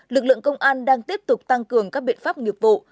lực lượng công an đang tiếp tục tăng cường các biện pháp nghiệp vụ